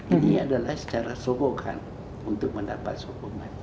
ini adalah secara sokongan untuk mendapat sokongan